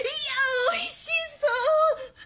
おいしそう！